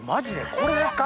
これですか？